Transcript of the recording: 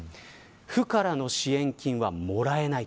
府からの支援金はもらえない。